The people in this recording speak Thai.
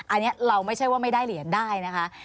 อันนี้เราไม่ใช่ว่าไม่ได้เหรียญได้นะคะ